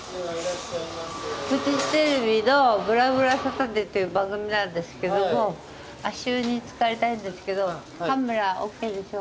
フジテレビの『ぶらぶらサタデー』っていう番組なんですけども足湯に漬かりたいんですけどカメラＯＫでしょうか？